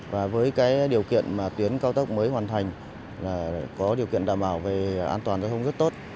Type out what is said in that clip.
và với cái điều kiện mà tuyến cao tốc mới hoàn thành là có điều kiện đảm bảo về an toàn giao thông rất tốt